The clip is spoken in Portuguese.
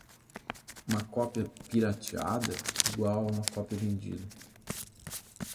Uma cópia "pirateada" igual a uma cópia vendida.